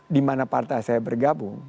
dimana partai saya bergabung